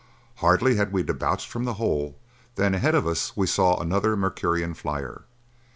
Hardly had we debouched from the hole than ahead of us we saw another Mercurian flyer.